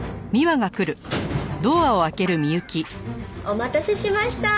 お待たせしました。